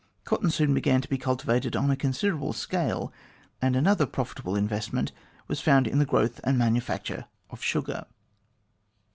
Cotton soon began to be cultivated on a considerable scale, and another profitable investment was found in the growth and manu facture of sugar.